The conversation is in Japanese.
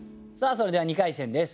それでは２回戦です。